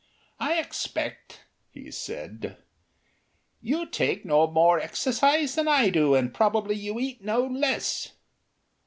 "I expect," he said, "you take no more exercise than I do, and probably you eat no less."